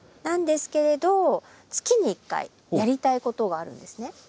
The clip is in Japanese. なんですけれど月に１回やりたいことがあるんですね。